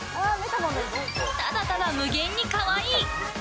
ただただ無限にかわいい。